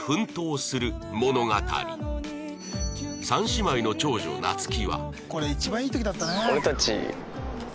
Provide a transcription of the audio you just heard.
３姉妹の長女夏希は